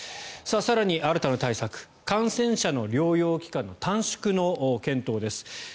更に新たな対策感染者の療養期間の短縮の検討です。